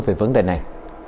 về vấn đề này